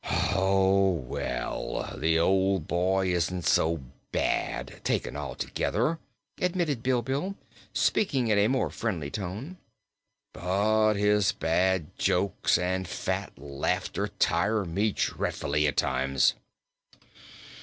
"Oh, well; the old boy isn't so bad, taken altogether," admitted Bilbil, speaking in a more friendly tone. "But his bad jokes and fat laughter tire me dreadfully, at times."